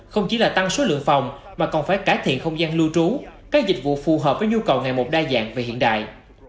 không chỉ là tăng số lượng phòng mà còn phải cải thiện không gian lưu trú các dịch vụ phù hợp với nhu cầu ngày một đa dạng và hiện đại